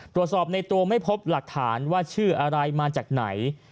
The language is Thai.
ตรวจสอบในตัวไม่พบหลักฐานว่าชื่ออะไรมาจากไหน